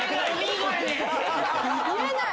言えない。